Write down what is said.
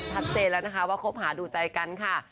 ชัดเจนแล้วนะคะว่าคบหาดูใจกันค่ะ